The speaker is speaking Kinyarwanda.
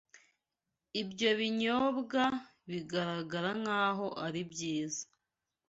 ibyo binyobwa bigaragara nk’aho ari byiza